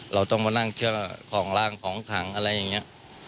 เราต้องมานั่งเชื่อของร่างของขังอะไรอย่างนี้